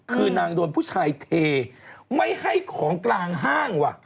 คือนางโดนผู้ชายเทไม่ให้ของกลางห้างว่ะ